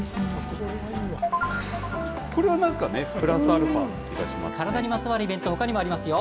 これはなんかね、体にまつわるイベント、ほかにもありますよ。